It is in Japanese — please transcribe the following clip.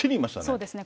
そうですね。